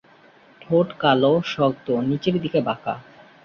ঠোঁট কালো, শক্ত, নিচের দিকে বাঁকা।